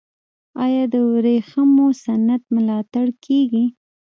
آیا د ورېښمو صنعت ملاتړ کیږي؟